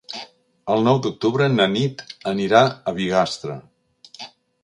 El nou d'octubre na Nit anirà a Bigastre.